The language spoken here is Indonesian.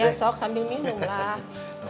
ya sok sambil minumlah